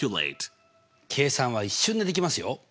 計算は一瞬でできますよ。